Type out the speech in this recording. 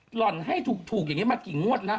ที่แบบว่าจุดทูบแล้วมันออกอย่างเงี้ยมากี่งวดติดละ